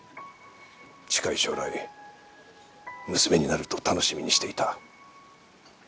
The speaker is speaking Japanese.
近い将来娘になると楽しみにしていた。